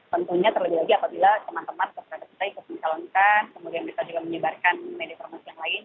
tentunya terlebih lagi apabila teman teman terhadap kita ikut mencalonkan kemudian kita juga menyebarkan media formasi yang lain